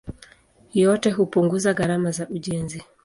Yote hupunguza gharama za ujenzi.